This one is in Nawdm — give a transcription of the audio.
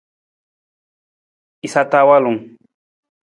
Jasa ta walung.